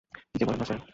কী যে বলেন না, স্যার।